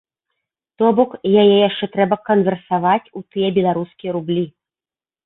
То бок, яе яшчэ трэба канверсаваць у тыя беларускія рублі.